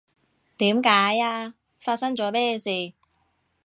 點解呀？發生咗咩事？